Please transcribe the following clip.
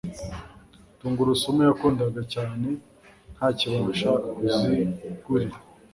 Tungurusumu yakundaga cyane ntakibasha kuzigurira.